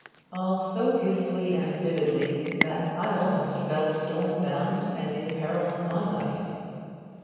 all so beautifully and vividly that I almost felt stormbound and in peril of my life.